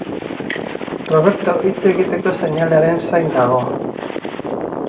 Roberto hitz egiteko seinalearen zain dago.